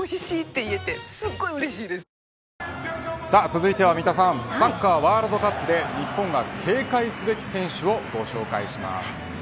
続いては三田さんサッカーワールドカップで日本が警戒すべき選手をご紹介します。